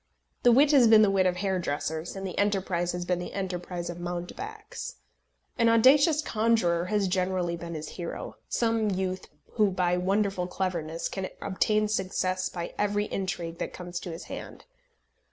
The wit has been the wit of hairdressers, and the enterprise has been the enterprise of mountebanks. An audacious conjurer has generally been his hero, some youth who, by wonderful cleverness, can obtain success by every intrigue that comes to his hand.